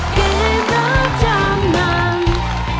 เกมรับจำนำ